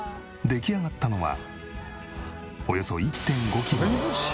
出来上がったのはおよそ１．５キロの塩。